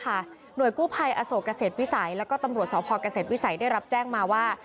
หน่วยกู้ภัยอโศกเกษตรวิสัยแล้วก็ตำรวจสพเกษตรวิสัยได้รับแจ้งมาว่า